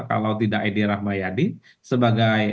kalau tidak edi rahmayadi sebagai